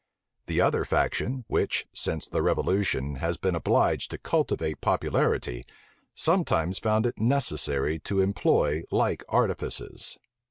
The other faction, which, since the revolution, has been obliged to cultivate popularity, sometimes found it necessary to employ like artifices.